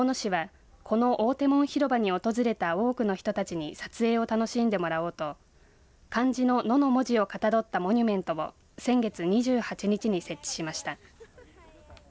大野市はこの大手門広場に訪れた多くの人たちに撮影を楽しんでもらおうと漢字の野の文字をかたどったモニュメントを先月２８日に設置しました。